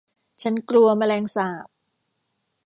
ฉันกลัวแมลงสาบ